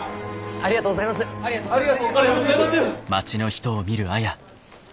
ありがとうございます！